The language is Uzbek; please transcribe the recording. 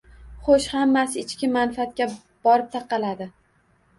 Xoʻsh, hammasi ichki manfaatga borib taqaladi.